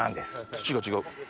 土が違う。